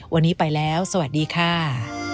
วันนี้ไปแล้วสวัสดีค่ะ